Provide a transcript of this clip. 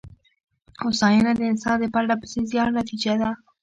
هوساینه د انسان د پرله پسې زیار نتېجه ده.